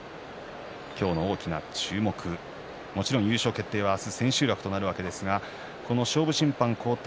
今日の大きな注目、もちろん優勝決定は明日、千秋楽となるわけですがこの勝負審判交代